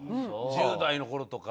１０代の頃とか。